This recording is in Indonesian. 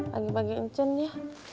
bagi bagi ncun ya